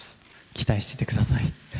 期待しててください。